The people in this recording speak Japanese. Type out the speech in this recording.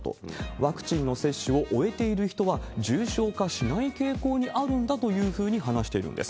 ワクチンの接種を終えている人は、重症化しない傾向にあるんだと話しているんです。